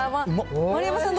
丸山さん